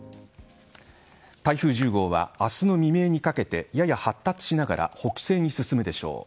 台風１０号は明日の未明にかけてやや発達しながら北西に進むでしょう。